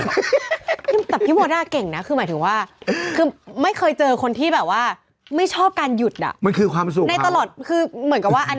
โอ้โหเดี๋ยวกลับมาฮะฮะสักครู่เดี๋ยวครับ